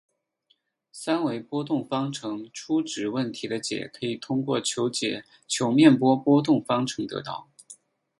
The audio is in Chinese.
三维波动方程初值问题的解可以通过求解球面波波动方程得到。